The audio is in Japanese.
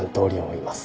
います。